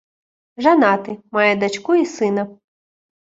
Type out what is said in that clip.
Жанаты, мае дачку і сына.